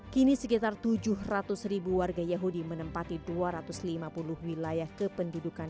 kini sekitar tujuh ratus ribu warga yahudi menempati dua ratus lima puluh wilayah kependudukan